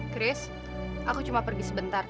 chris aku cuma pergi sebentar